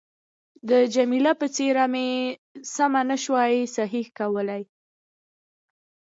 د جميله څېره مې سمه نه شوای صحیح کولای.